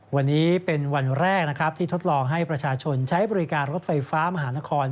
วันนี้เป็นวันแรกนะครับที่ทดลองให้ประชาชนใช้บริการรถไฟฟ้ามหานคร